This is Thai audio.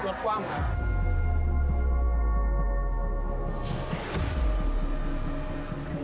ผมรถกว้ามครับ